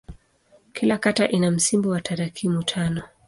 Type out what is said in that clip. Kila kata ina msimbo wa tarakimu tano.